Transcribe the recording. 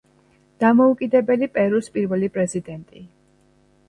დამოუკიდებელი პერუს პირველი პრეზიდენტი.